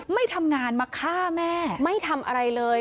ไม่ทำงานมาฆ่าแม่ไม่ทำอะไรเลย